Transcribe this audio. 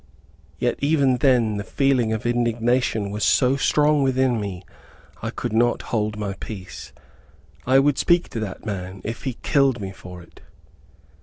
Yet even then the feeling of indignation was so strong within me, I could not hold my peace. I would speak to that man, if he killed me for it.